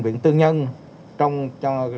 viện tư nhân trong việc chăm sóc tốt nhất cho bệnh nhân